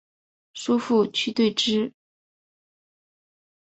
叔父瞿兑之。